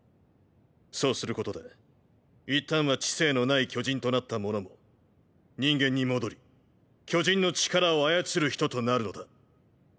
そうすることで一旦は知性のない巨人となった者も人間に戻り「巨人の力を操る人」となるのだ。